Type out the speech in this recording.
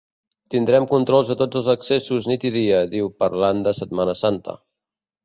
Tindrem controls a tots els accessos nit i dia, diu parlant de Setmana Santa.